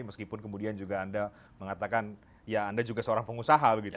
meskipun kemudian juga anda mengatakan ya anda juga seorang pengusaha begitu ya